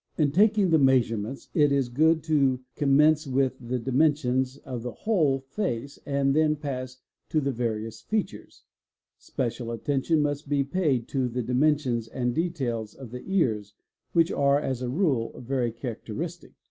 In taking the measurements it i good to commence with the dimensions of the whole face and then pas: to the various features; special attention must be paid to the dimension and details of the ears which are as a rule very characteristic.